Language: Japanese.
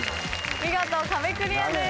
見事壁クリアです。